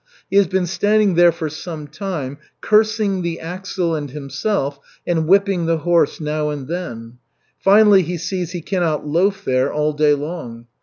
He has been standing there for some time, cursing the axle and himself and whipping the horse now and then. Finally he sees he cannot loaf there all day long.